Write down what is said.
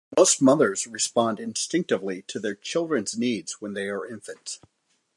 Most mothers respond instinctively to their children's needs when they are infants.